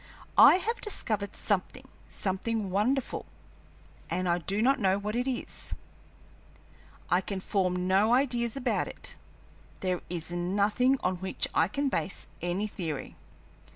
I have discovered something something wonderful and I do not know what it is. I can form no ideas about it, there is nothing on which I can base any theory.